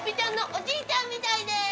おじいちゃんみたいです